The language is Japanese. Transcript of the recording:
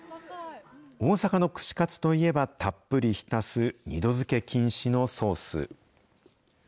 大阪の串かつといえば、たっぷり浸す二度づけ禁止のソース。